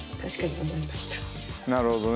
なるほどね。